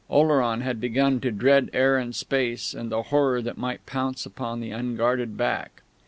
Oleron had begun to dread air and space and the horror that might pounce upon the unguarded back.